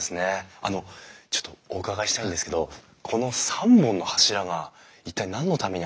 あのちょっとお伺いしたいんですけどこの３本の柱が一体何のためにあるかってご存じですか？